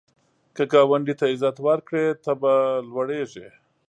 که ګاونډي ته عزت ورکړې، ته به لوړیږې